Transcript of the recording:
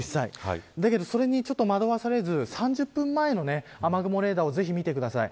だけど、それに惑わされずに３０分前の雨雲レーダーをぜひ見てください。